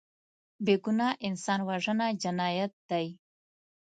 بېګناه انسان وژنه جنایت دی